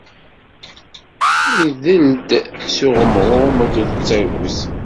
Idel-d s uɣemɣum akked tagut.